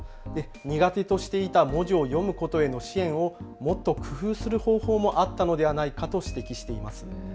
苦手としていた文字を読むことへの支援をもっと工夫する方法もあったのではないかと指摘しています。